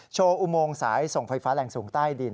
อุโมงสายส่งไฟฟ้าแรงสูงใต้ดิน